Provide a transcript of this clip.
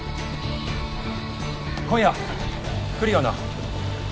今夜来るよな？